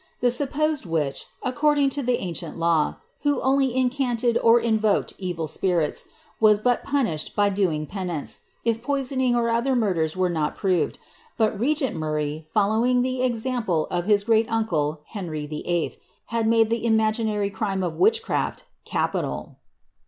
The supposed witch, according to the ancient law, who only incanted or invoked evil spirits, was but punished by doing penance, if poisoning or other murders were not proved ; but regent Murray, following the example of his great uncle, Henry VI If., had made tlie imaginary crime of witchcraft capital.